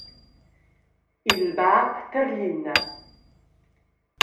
Il bab targlina.